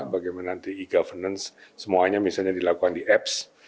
bagaimana nanti e governance semuanya misalnya dilakukan di apps